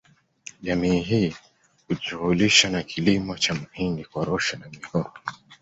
Jamii hii hujishughulisha na kilimo cha mahindi korosho na mihoho